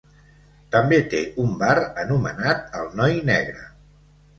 També té un bar anomenat "El noi negre".